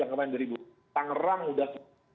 yang kemarin dari tangerang sudah